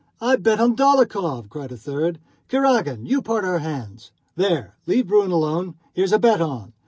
"I bet on Dólokhov!" cried a third. "Kurágin, you part our hands." "There, leave Bruin alone; here's a bet on."